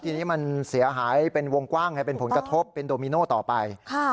ทีนี้มันเสียหายเป็นวงกว้างไงเป็นผลกระทบเป็นโดมิโน่ต่อไป